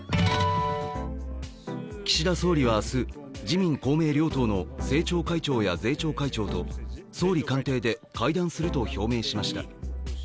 岸田総理は明日、自民・公明両党の政調会長や税調会長と総理官邸で会談すると表明しました。